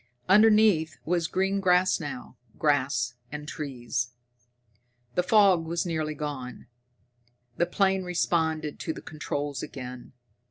Underneath was green grass now grass and trees! The fog was nearly gone. The plane responded to the controls again.